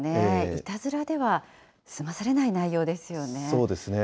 いたずらでは済まされない内容でそうですね。